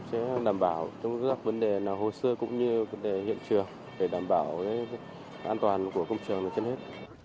sẽ đảm bảo trong các vấn đề hồ sơ cũng như vấn đề hiện trường để đảm bảo an toàn của công trường trên hết